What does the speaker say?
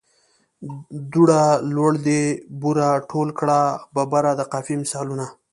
دوړه، لوړ دي، بوره، ټول کړه، ببره د قافیې مثالونه.